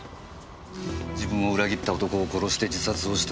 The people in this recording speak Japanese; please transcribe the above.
自分を裏切った男を殺して自殺をした。